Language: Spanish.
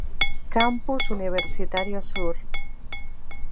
Campus Universitario Sur.